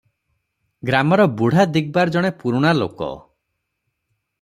ଗ୍ରାମର ବୁଢା ଦିଗବାର ଜଣେ ପୁରୁଖା ଲୋକ ।